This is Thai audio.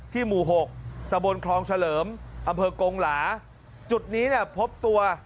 หมู่๖ตะบนคลองเฉลิมอำเภอกงหลาจุดนี้เนี่ยพบตัว